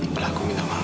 kalah aku minta maaf